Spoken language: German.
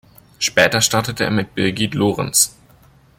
Später startete er mit Birgit Lorenz.